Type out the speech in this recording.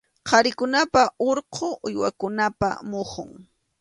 Qharikunapa urqu uywakunapa muhun.